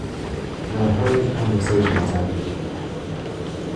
The hurried conversation was ended.